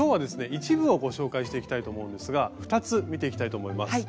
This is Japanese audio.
一部をご紹介していきたいと思うんですが２つ見ていきたいと思います。